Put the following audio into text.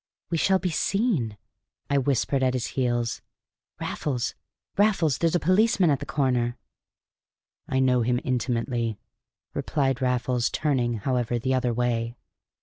"We shall be seen," I whispered at his heels. "Raffles, Raffles, there's a policeman at the corner!" "I know him intimately," replied Raffles, turning, however, the other way.